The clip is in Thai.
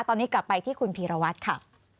ตอนนี้กลับไปที่คุณพีรวัตรค่ะ